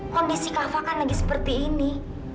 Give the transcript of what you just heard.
kondisi kava kan lagi seperti ini